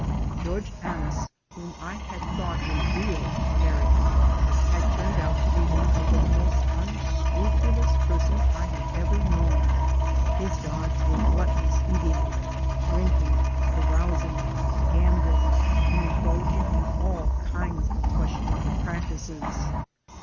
George Annis, whom I had thought a real American, had turned out to be one of the most unscrupulous per sons I have ever known. His gods were gluttonous eating, drinking, carousing, gambling, and indulging in all kinds of questionable practices.